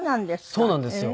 そうなんですよ。